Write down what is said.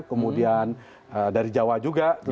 kemudian dari jawa juga